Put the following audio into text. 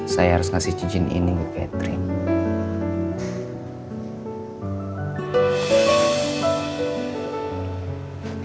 saya harus ngasih cincin ini ke catering